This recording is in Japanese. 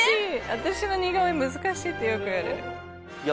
私の似顔絵難しいってよく言われるいや